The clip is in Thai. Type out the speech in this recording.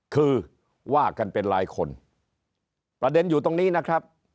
คือว่ากันเป็นหลายคนประเด็นอยู่ตรงนี้นะครับ